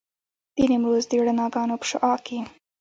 د نیمروز د رڼاګانو په شعاع کې.